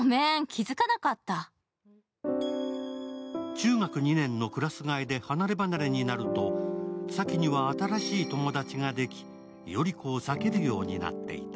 中学２年のクラス替えで離ればなれになると、さきには新しい友達ができ、依子を避けるようになっていた。